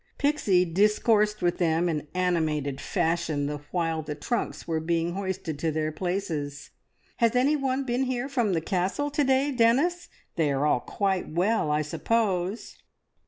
Pixie discoursed with them in animated fashion the while the trunks were being hoisted to their places. "Has anyone been here from the Castle to day, Dennis? They are all quite well, I suppose?"